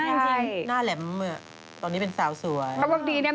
ใช่กลับมาเห็นภาพแฟนทุกคนในเฟรมนะคะ